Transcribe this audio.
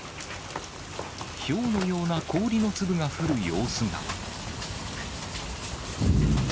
ひょうのような氷の粒が降る様子が。